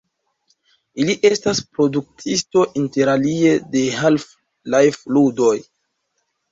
Ili estas produktisto interalie de la Half-Life-ludoj.